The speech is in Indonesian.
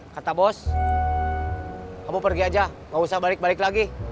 kata bos kamu pergi aja gak usah balik balik lagi